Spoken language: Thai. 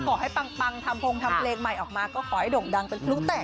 ขอให้ปังทำเพลงใหม่ออกมาก็ขอให้ด่วงดังเป็นคลุกแตก